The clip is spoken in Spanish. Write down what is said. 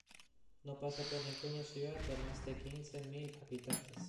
No pasa por ninguna ciudad de mas de quince mil habitantes.